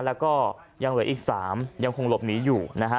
แล้วก็ยังเหลืออีก๓ยังคงหลบหนีอยู่นะฮะ